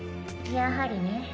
やはりね。